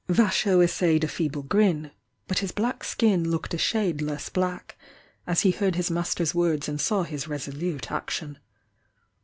1 Y^*^" essayed a feeble grin,— but his black skin looked a shade less black, as he heard his master's words and saw his resolute action.